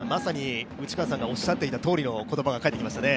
まさに内川さんがおっしゃっていたとおりの言葉が返ってきましたね。